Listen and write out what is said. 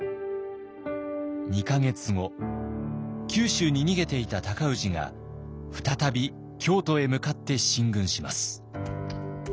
２か月後九州に逃げていた尊氏が再び京都へ向かって進軍します。